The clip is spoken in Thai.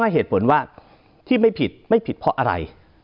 ก็ต้องให้เหตุผลว่าที่คงไม่ผิดไม่ผิดเพราะอะไร